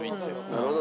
なるほど。